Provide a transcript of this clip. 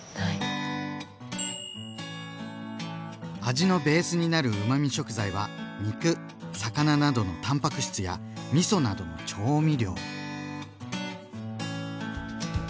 味のベースになるうまみ食材は肉魚などのたんぱく質やみそなどの調味料。